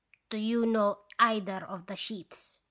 "'Do you know either of the ships?'